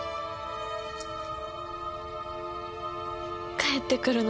帰ってくるの